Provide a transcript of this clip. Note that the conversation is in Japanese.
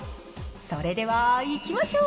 それではいきましょう。